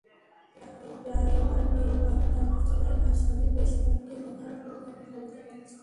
Flyover নির্মাণকাজ চলায় রাজধানীর বেশ কয়েকটি এলাকার প্রধান সড়কের অবস্থা বেহাল।